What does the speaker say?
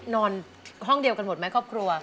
นอนห้องเดียวกันหมดไหมครอบครัว